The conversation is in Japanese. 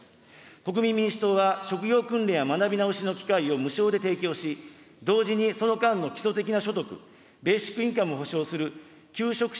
国民民主党は職業訓練や学び直しの機会を無償で提供し、同時にその間の基礎的な所得、ベーシック・インカムを補償する求職者